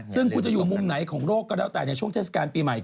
ซึ่งคุณจะอยู่มุมไหนของโลกก็แล้วแต่ในช่วงเทศกาลปีใหม่